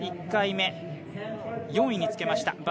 １回目、４位につけました。